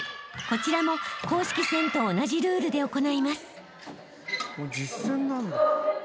［こちらも公式戦と同じルールで行います］